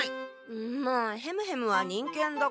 まあヘムヘムは忍犬だから。